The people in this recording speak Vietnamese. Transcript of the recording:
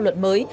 theo luật mới